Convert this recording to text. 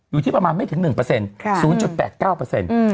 อยู่ที่ประมาณไม่ถึง๑เปอร์เซ็นต์๐๘๙เปอร์เซ็นต์